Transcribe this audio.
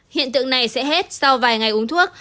hiện tượng này sẽ hết sau vài ngày uống thuốc